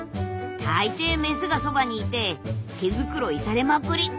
大抵メスがそばにいて毛づくろいされまくり。